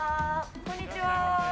こんにちは。